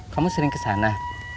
kamu sering kesana